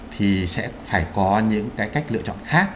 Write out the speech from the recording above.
thì sẽ phải có những cái cách lựa chọn khác